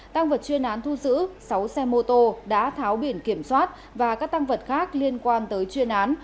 tăng vật chuyên án thu giữ sáu xe mô tô đã tháo biển kiểm soát và các tăng vật khác liên quan tới chuyên án